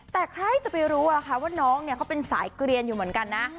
แต่ใครจะไปรู้ว่าน้องเนี่ยเขาเป็นสายเกลียนอยู่เหมือนกันนะ